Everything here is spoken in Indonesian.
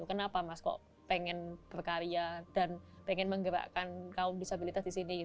kenapa mas kok pengen berkarya dan pengen menggerakkan kaum disabilitas di sini